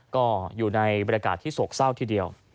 ก็อยู่ในบรรยากาศที่โศกเศร้าทีเดียว